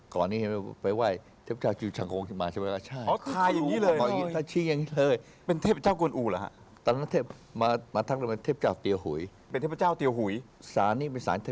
ก่อนนี้ไปว่าเทพเจ้าจูชังโรงมาใช่ไหมล่ะ